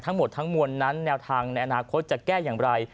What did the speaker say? ทั้งหมดทั้งมวลนั้นแนวทางในอนาคตจะแก้อย่างไร